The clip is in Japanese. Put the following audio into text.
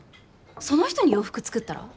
その人に洋服作ったら？